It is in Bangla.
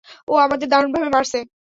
ও আমাদের দারুণভাবে মারছে।